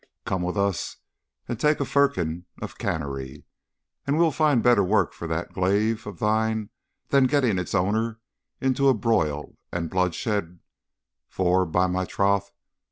Come with us and take a firkin of canary, and we will find better work for that glaive of thine than getting its owner into broil and bloodshed; for, by my troth!